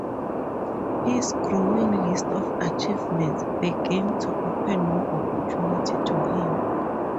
His growing list of achievements began to open more opportunity to him.